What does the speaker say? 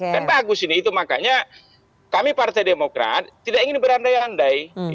dan bagus ini makanya kami partai demokrat tidak ingin berandai andai